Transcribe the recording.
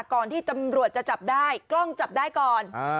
ก่อนที่ตำรวจจะจับได้กล้องจับได้ก่อน